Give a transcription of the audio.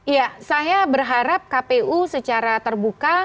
ya saya berharap kpu secara terbuka